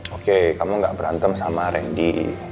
oke kamu gak berantem sama rendy